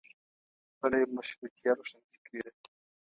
بله یې مشروطیه روښانفکري وه.